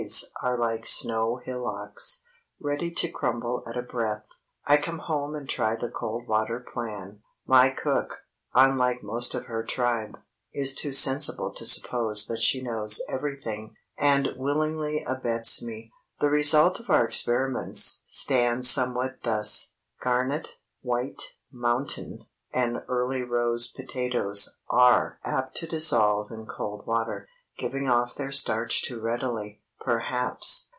's are like snow hillocks, ready to crumble at a breath, I come home and try the cold water plan. My cook, unlike most of her tribe, is too sensible to suppose that she knows everything, and willingly abets me. The result of our experiments stands somewhat thus—Garnet, White Mountain, and Early Rose potatoes are apt to dissolve in cold water, giving off their starch too readily, perhaps.